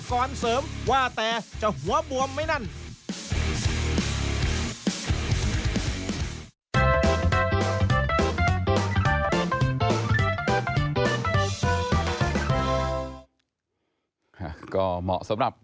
ก็เหมาะสำหรับคนนอนขี้เสามนะครับ